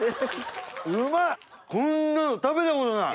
うまいこんなの食べたことない。